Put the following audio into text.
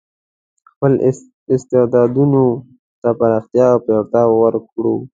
خپل استعدادونو ته پراختیا او پیاوړتیا ورکړو.